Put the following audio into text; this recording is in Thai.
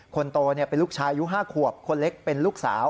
คนโตเป็นลูกชายอายุ๕ขวบคนเล็กเป็นลูกสาว